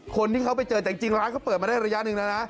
คนที่เขาไปเจอแต่จริงร้านเขาเปิดมาได้ระยะหนึ่งแล้วนะ